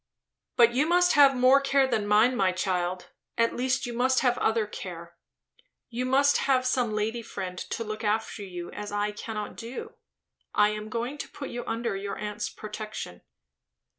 "But you must have more care than mine, my child; at least you must have other care. You must have some lady friend, to look after you as I cannot do. I am going to put you under your aunt's protection."